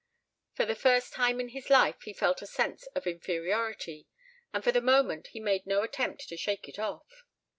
For the first time in his life he felt a sense of inferiority, and for the moment he made no attempt to shake it off.